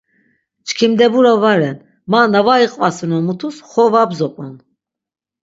Çkimdebura va ren, ma na var iqvasinon mutus xo va bzop̆on.